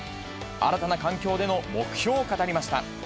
新たな環境での目標を語りました。